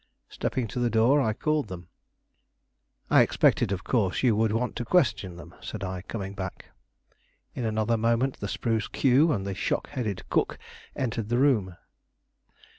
Stepping to the door I called them. "I expected, of course, you would want to question them," said I, coming back. In another moment the spruce Q and the shock headed Cook entered the room.